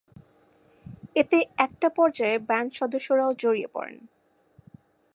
এতে একটা পর্যায়ে ব্যান্ড সদস্যরাও জড়িয়ে পড়েন।